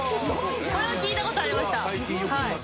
これは聞いたことありました。